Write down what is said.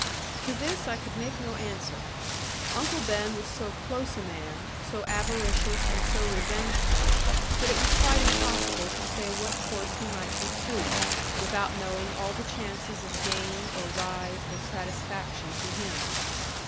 To this I could make no answer; Uncle Ben was so close a man, so avaricious, and so revengeful, that it was quite impossible to say what course he might pursue, without knowing all the chances of gain, or rise, or satisfaction to him.